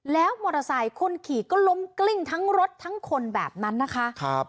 แล้วมอเตอร์ไซค์คนขี่ก็ล้มกลิ้งทั้งรถทั้งคนแบบนั้นนะคะ